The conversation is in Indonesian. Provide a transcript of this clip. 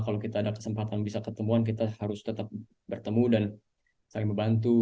kalau kita ada kesempatan bisa ketemuan kita harus tetap bertemu dan saling membantu